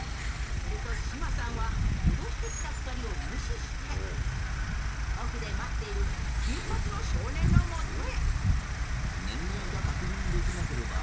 すると島さんは、脅してきた２人を無視して奥で待っている金髪の少年の元へ。